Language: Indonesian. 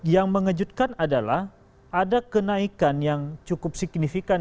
yang mengejutkan adalah ada kenaikan yang cukup signifikan